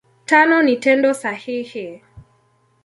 Tano ni Tendo sahihi.